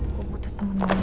gue butuh temen ngobrol nih